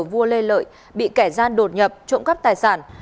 vua lê lợi bị kẻ gian đột nhập trộm cắp tài sản